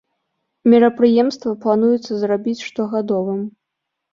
Мерапрыемства плануецца зрабіць штогадовым.